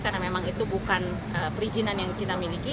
karena memang itu bukan perizinan yang kita miliki